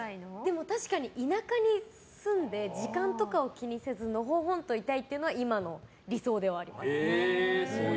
確かに田舎に住んで時間とかを気にせずのほほんといたいっていうのは今の理想ではあります。